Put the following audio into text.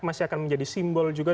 masih akan menjadi simbol juga